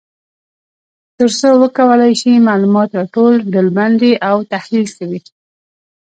تر څو وکولای شي معلومات را ټول، ډلبندي او تحلیل کړي.